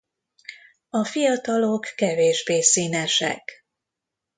A fiatalok kevésbé színesek.